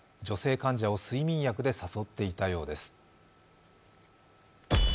女性患者を睡眠薬で誘っていたようです。